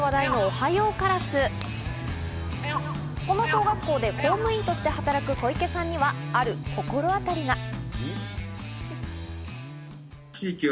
この小学校で公務員として働く小池さんには、ある心当たりが。